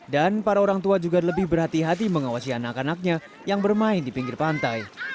para orang tua juga lebih berhati hati mengawasi anak anaknya yang bermain di pinggir pantai